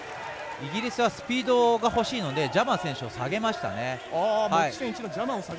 イギリスはスピードが欲しいのでジャマ選手を下げましたね。